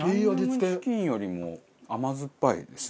ヤンニョムチキンよりも甘酸っぱいですね。